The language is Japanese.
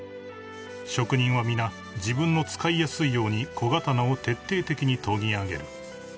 ［職人は皆自分の使いやすいように小刀を徹底的に研ぎ上げる］